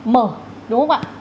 mở đúng không ạ